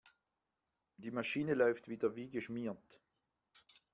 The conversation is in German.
Die Maschine läuft wieder wie geschmiert.